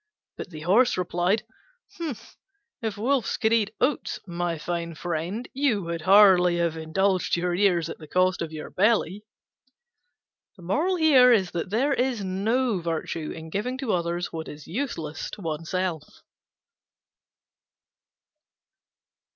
But the Horse replied, "If wolves could eat oats, my fine friend, you would hardly have indulged your ears at the cost of your belly." There is no virtue in giving to others what is useless to oneself.